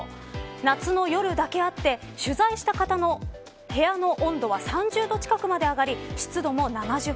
夏の夜だけあって取材した方の部屋の温度は３０度近くまで上がり湿度も７０％。